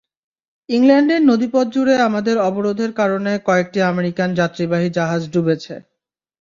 ইংল্যান্ডের নদীপথ জুড়ে আমাদের অবরোধের কারণে আরেকটি আমেরিকান যাত্রিবাহী জাহাজ ডুবেছে।